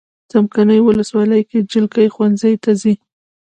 څمکنیو ولسوالۍ کې جلکې ښوونځی ته ځي.